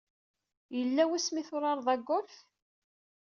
Yella wasmi ay turareḍ agolf?